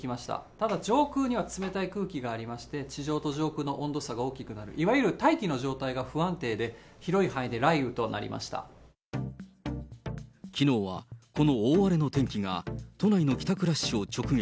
ただ、上空には冷たい空気がありまして、地上と上空の温度差が大きくなる、いわゆる大気の状態が不安定で、きのうは、この大荒れの天気が、都内の帰宅ラッシュを直撃。